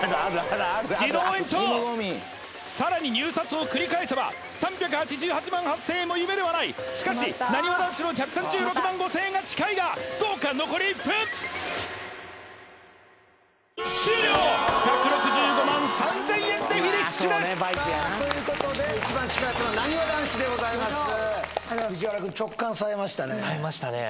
自動延長さらに入札を繰り返せば３８８万８０００円も夢ではないしかしなにわ男子の１３６万５０００円が近いがどうか残り１分終了１６５万３０００円でフィニッシュですということで一番近かったのはなにわ男子でございます藤原くん直感さえましたねさえましたね